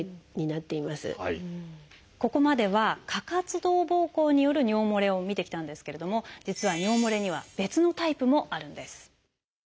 ここまでは過活動ぼうこうによる尿もれを見てきたんですけれども実は尿もれには別のタイプもあるんです。